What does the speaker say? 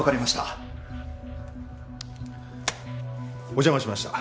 お邪魔しました。